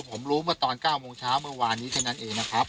ผมรู้เมื่อตอน๙โมงเช้าเมื่อวานนี้แค่นั้นเองนะครับ